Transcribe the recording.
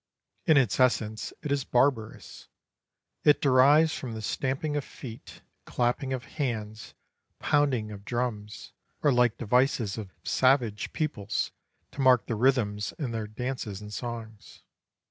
In its essence it is barbarous; it derives from the stamping of feet, clapping of hands, pounding of drums, or like devices of savage peoples to mark the rhythms in their dances and songs.